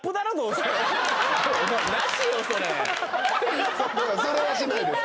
それそれはしないです